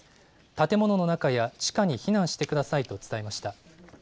建物の中や地下に避難してくださいと伝えました。